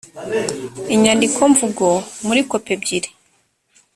inyandikomvugo muri kopi ebyiri